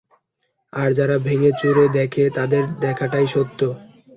আর যারা ভেঙে চুরে দেখে তাদের দেখাটাই সত্য?